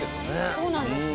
そうなんですね。